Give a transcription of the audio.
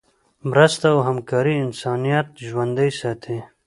مرسته او همکاري انسانیت ژوندی ساتي.